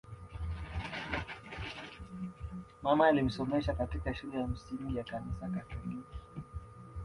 Mama alimsomesha katika shule ya msingi ya Kanisa Katoliki